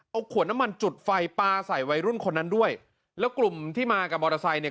เอาขวดน้ำมันจุดไฟปลาใส่วัยรุ่นคนนั้นด้วยแล้วกลุ่มที่มากับมอเตอร์ไซค์เนี่ย